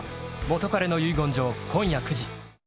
「元彼の遺言状」、今夜９時。